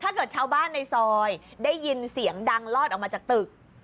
ชาวบ้านในซอยได้ยินเสียงดังลอดออกมาจากตึก